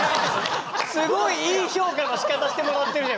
すごいいい評価のしかたしてもらってるじゃん。